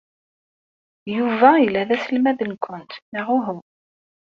Yuba yella d aselmad-nwent, neɣ uhu?